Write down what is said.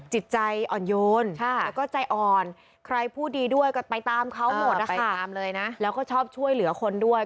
จิตใจอ่อนโยนแล้วก็ใจอ่อนใครพูดดีด้วยก็ไปตามเขาหมดนะคะตามเลยนะแล้วก็ชอบช่วยเหลือคนด้วย